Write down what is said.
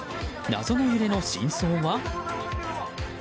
謎の揺れの真相は？